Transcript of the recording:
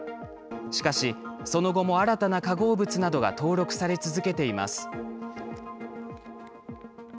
しかし、その後も新たな化合物などが登録され続けています。